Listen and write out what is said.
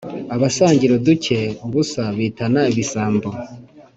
Abasangira uduke (ubusa) bitana ibisambo.